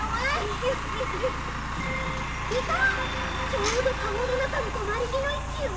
ちょうどカゴの中の止まり木の位置よ。